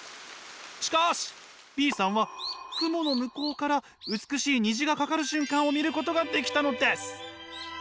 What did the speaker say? しかしＢさんは雲の向こうから美しい虹がかかる瞬間を見ることができたのです。